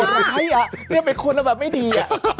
อะไรนะนี่เป็นคนเราแบบไม่ดี